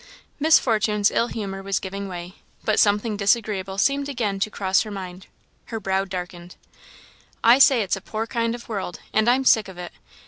Miss Fortune's ill humour was giving way, but something disagreeable seemed again to cross her mind. Her brow darkened. "I say it's a poor kind of world, and I'm sick of it!